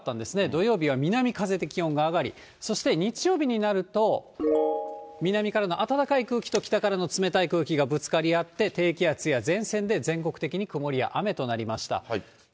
土曜日は南風で気温が上がり、そして、日曜日になると、南からの暖かい空気と北からの冷たい空気がぶつかり合って、低気圧や前線で全国的に曇りや雨となりました。